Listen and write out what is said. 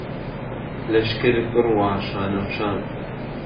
لهشکر بڕوا شانهوشان